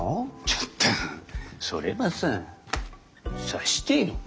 ちょっとそれはさ察してよ。